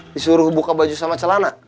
disuruh buka baju sama celana